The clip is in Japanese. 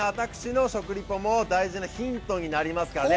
私の食リポも大事なヒントになりますからね。